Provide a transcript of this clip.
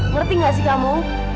ngerti gak sih kamu